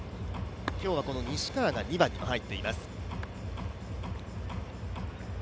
今日はこの西川が２番に入っています。